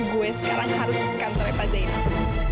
gue sekarang harus ikat mereka zainal